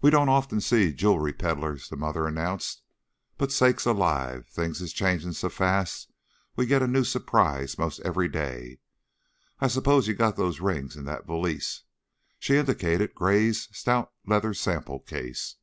"We don't often see jewelry peddlers," the mother announced; "but, sakes alive! things is changin' so fast we get a new surprise most every day. I s'pose you got those rings in that valise?" She indicated Gray's stout leather sample case.